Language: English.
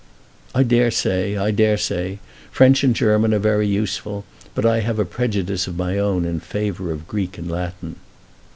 "I dare say; I dare say. French and German are very useful. I have a prejudice of my own in favour of Greek and Latin."